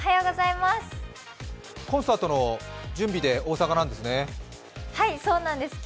コンサートの準備で大阪なんですね？